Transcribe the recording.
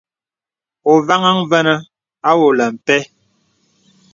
Ôvaŋha vənə àwōlə̀ mpə̀.